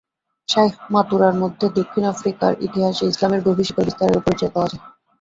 শাইখ মাতুরার মধ্যে দক্ষিণ আফ্রিকার ইতিহাসে ইসলামের গভীর শিকড় বিস্তারেরও পরিচয় পাওয়া যায়।